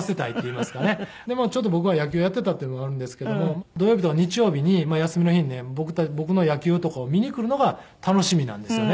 でちょっと僕は野球やっていたっていうのがあるんですけども土曜日とか日曜日に休みの日にね僕の野球とかを見に来るのが楽しみなんですよね。